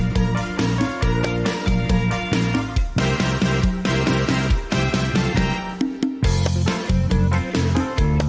สวัสดีค่ะ